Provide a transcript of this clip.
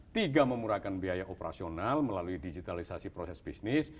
tiga memurahkan biaya operasional melalui digitalisasi proses bisnis